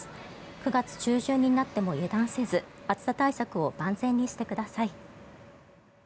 ９月中旬になっても油断せず暑さ対策を万全にしてください。